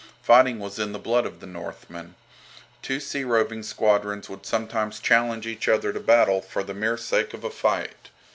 Fighting was in the blood of the Northmen. Two sea roving squadrons would sometimes challenge each other to battle for the mere sake of a fight.